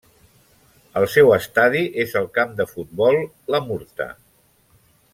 El seu estadi és el Camp de Futbol La Murta.